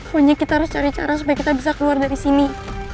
pokoknya kita harus cari cara supaya kita bisa keluar dari sini